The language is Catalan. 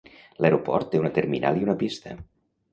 L'aeroport té una terminal i una pista.